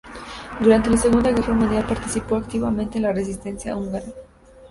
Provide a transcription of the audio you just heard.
Durante la Segunda Guerra Mundial participó activamente en la Resistencia húngara.